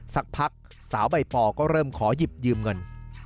สักพักสาวใบปอก็เริ่มขอหยิบยืมเงิน